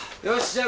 よし。